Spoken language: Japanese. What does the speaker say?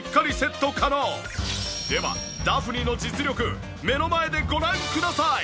ではダフニの実力目の前でご覧ください！